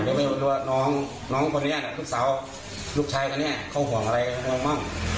ดูว่าน้องคนนี้ลูกสาวลูกชายคนนี้เขาห่วงอะไรมั่ง